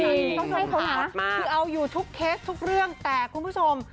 คือเอาอยู่ทุกเคสทุกเรื่องแต่คุณผู้ชม